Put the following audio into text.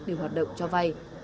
điều hoạt động cho vai